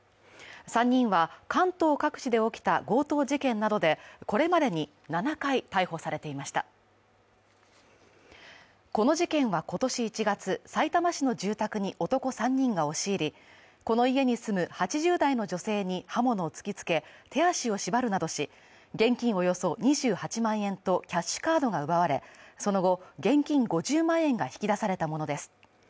３人は関東各地で起きた強盗事件などでこれまでに７回逮捕されていましたこの事件は今年１月、さいたま市の住宅に男３人が押し入り、この家に住む８０代の女性に刃物を突きつけ、手足を縛るなどし、現金およそ２８万円とキャッシュカードが奪われその後現金５０万円が引き出されたものです。